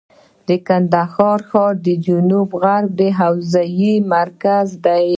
کندهار ښار د جنوب غرب حوزې مرکز دی.